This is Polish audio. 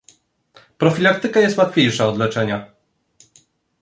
Profilaktyka jest łatwiejsza od leczenia